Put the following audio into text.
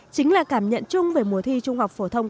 chính là cảm nhận chung về mùa thi trung học phổ thông